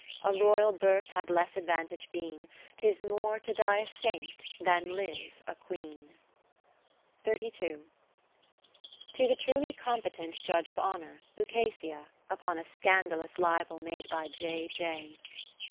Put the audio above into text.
A Royal Birth had less advantage been. 'Tis more to die a Saint than live a Queen. To the truly competent Judge of Honour, Lucasia, upon a scandalous Libel made by J. J.